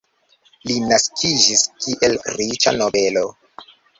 Li naskiĝis, kiel riĉa nobelo.